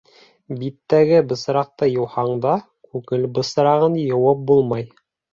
Биттәге бысраҡты йыуһаң да, күңел бысрағын йыуып булмай.